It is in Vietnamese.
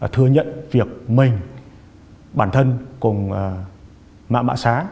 thừa nhận việc mình bản thân cùng mạng xá